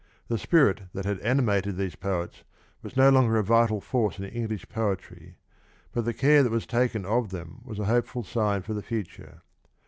The spirit that had animated these poets was no longer a vital force in English poetry, but the care that was taken of them was a hopeful sign for the future.